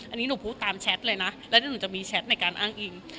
อันนี้หนูพูดตามแชทเลยนะแล้วหนูจะมีแชทในการอ้างอิง